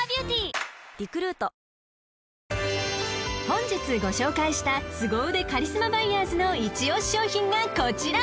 ［本日ご紹介したスゴ腕カリスマバイヤーズの一押し商品がこちら！］